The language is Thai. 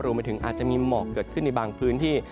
มาถึงอาจจะมีหมอกเกิดขึ้นในบางพื้นที่